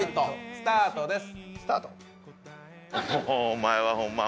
スタートです！